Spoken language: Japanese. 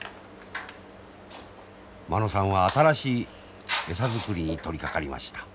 間野さんは新しい餌作りに取りかかりました。